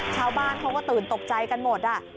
ชาวบ้านเขาก็ตื่นตกใจกันหมด